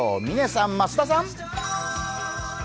嶺さん、増田さん！